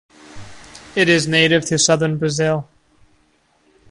It is native to southern Brazil.